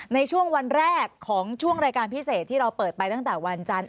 ในช่วงวันแรกของช่วงรายการพิเศษที่เราเปิดไปตั้งแต่วันจันทร์